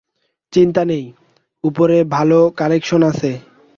চিন্তা নেই, উপরে ভালো কানেকশন আছে।